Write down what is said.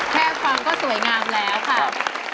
แค่ฟังก็สวยงามแล้วค่ะ